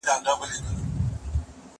زه لوبه نه کوم!